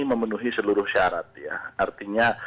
memenuhi seluruh syarat artinya